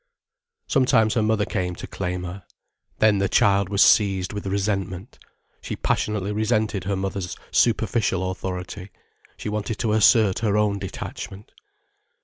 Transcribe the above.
Sometimes her mother came to claim her. Then the child was seized with resentment. She passionately resented her mother's superficial authority. She wanted to assert her own detachment.